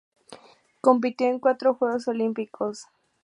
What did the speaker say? Compitió en cuatro Juegos Olímpicos.